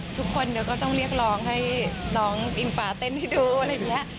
ทุกคนเดี๋ยวก็ต้องเรียกร้องให้น้องอิงฟ้าเต้นให้ดูอะไรอย่างนี้